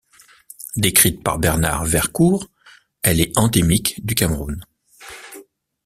Décrite par Bernard Verdcourt, elle est endémique du Cameroun.